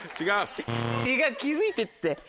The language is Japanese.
違う気付いてって。